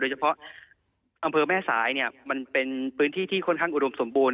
เฉพาะอำเภอแม่สายมันเป็นพื้นที่ที่ค่อนข้างอุดมสมบูรณ